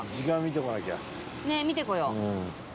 ねえ見てこよう。